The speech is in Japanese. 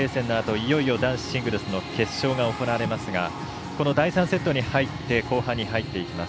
いよいよ男子シングルスの決勝が行われますが第３セット後半に入っていきます。